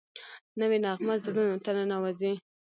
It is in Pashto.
نوې نغمه زړونو ته ننوځي